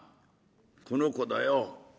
この子だよ。